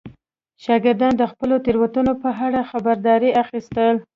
شاګردان د خپلو تېروتنو په اړه خبرداری اخیستل.